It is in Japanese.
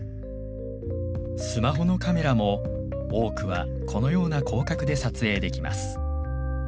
スマホのカメラも多くはこのような広角で撮影できます。